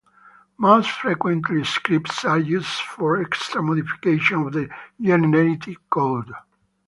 Most frequently scripts are used for extra modification of the generated code.